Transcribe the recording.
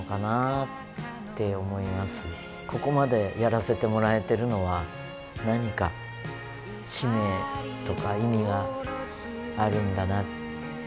ここまでやらせてもらえてるのは何か使命とか意味があるんだなと思います。